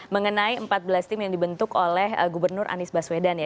mengenai empat belas tim yang dibentuk oleh gubernur anies baswedan ya